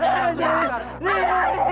bukanya keisi saya abang